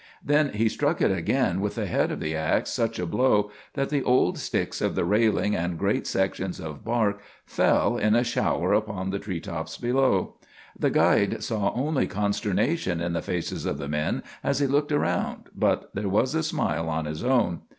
Then he struck it again with the head of the ax such a blow that the old sticks of the railing and great sections of bark fell in a shower upon the tree tops below. The guide saw only consternation in the faces of the men as he looked around, but there was a smile on his own.